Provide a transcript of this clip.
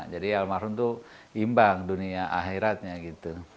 jadi almarhum itu imbang dunia akhiratnya gitu